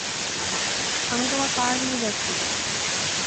আমি তোমার কার নিয়ে যাচ্ছি।